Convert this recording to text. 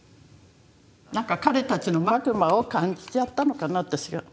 なんか彼たちのマグマを感じちゃったのかな私が。